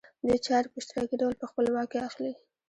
دوی چارې په اشتراکي ډول په خپل واک کې اخلي